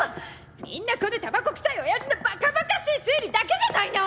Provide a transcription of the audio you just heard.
みんなこのタバコ臭いオヤジの馬鹿馬鹿しい推理だけじゃないの！